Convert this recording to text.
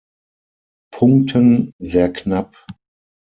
Punkten sehr knapp.